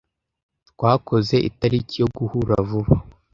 Twakoze itariki yo guhura vuba.